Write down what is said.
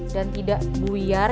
dan tidak buyar